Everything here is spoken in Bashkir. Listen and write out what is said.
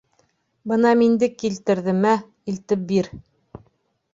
Бына миндек килтерҙем, мә, илтеп бир.